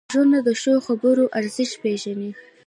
غوږونه د ښو خبرو ارزښت پېژني